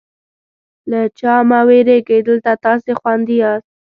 له چا مه وېرېږئ، دلته تاسې خوندي یاست.